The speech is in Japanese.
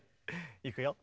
いくよ。